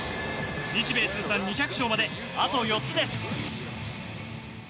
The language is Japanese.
日米通算２００勝まであと４つです。